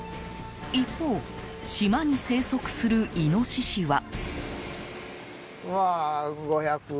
一方島に生息するイノシシは。